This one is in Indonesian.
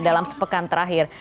dalam sepekan terakhir